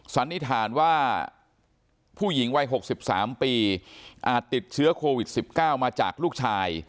สันนิษฐานว่าผู้หญิงวัย๖๓ปีอาจติดเชื้อโควิด๑๙มาจากลูกชาย